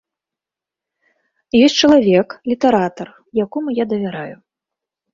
Ёсць чалавек, літаратар, якому я давяраю.